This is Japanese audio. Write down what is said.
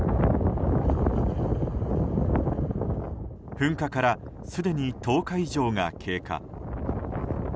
噴火からすでに１０日以上が経過。